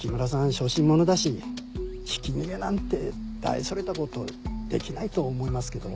小心者だしひき逃げなんて大それたことできないと思いますけど。